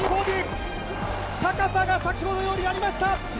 高さが先ほどよりありました。